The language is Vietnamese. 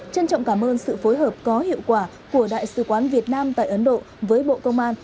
trân trọng cảm ơn sự phối hợp có hiệu quả của đại sứ quán việt nam tại ấn độ với bộ công an